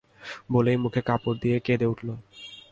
বলেই মুখে কাপড় দিয়ে কেঁদে উঠল।